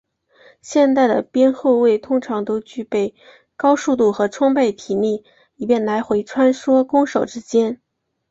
现代的边后卫通常都具备高速度和充沛体力以便来回穿梭攻守之间。